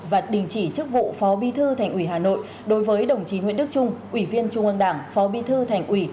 và đình chỉ chức vụ phó bi thư thành ủy hà nội đối với đồng chí nguyễn đức trung ủy viên trung ương đảng phó bí thư thành ủy